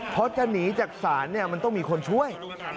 เพราะจะหนีจากศาลมันต้องมีคนช่วย